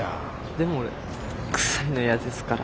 でも俺臭いのやですから。